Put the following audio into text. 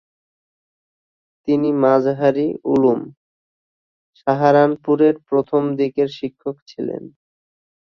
তিনি মাজাহির উলুম, সাহারানপুরের প্রথম দিকের শিক্ষক ছিলেন।